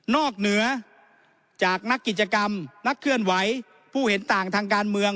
อกเหนือจากนักกิจกรรมนักเคลื่อนไหวผู้เห็นต่างทางการเมือง